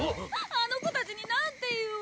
あの子たちになんて言おう！？